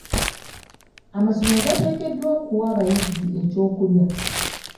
Amasomero gateekeddwa okuwa abayizi ekyokulya.